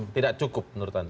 tidak cukup menurut anda